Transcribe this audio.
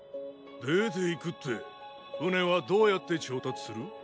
出て行くって船はどうやって調達する？